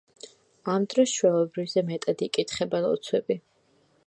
ამ დროს ჩვეულებრივზე მეტად იკითხება ლოცვები.